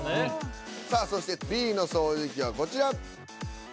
さあそしてＢの掃除機はこちら。